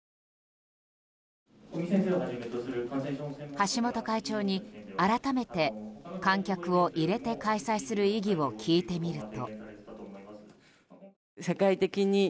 橋本会長に、改めて観客を入れて開催する意義を聞いてみると。